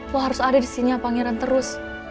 lo harus ada di sini ya pangeran terus